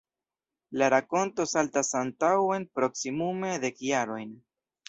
La rakonto saltas antaŭen proksimume dek jarojn.